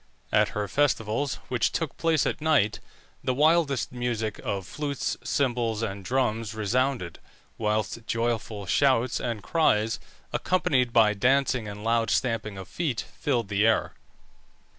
At her festivals, which took place at night, the wildest music of flutes, cymbals, and drums resounded, whilst joyful shouts and cries, accompanied by dancing and loud stamping of feet, filled the air.